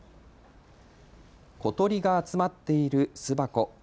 小鳥が集まっている巣箱。